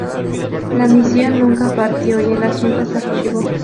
La misión nunca partió y el asunto se archivó.